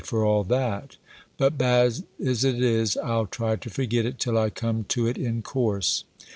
for all that: but, bad as it is, I'll try to forget it, till I come to it in course.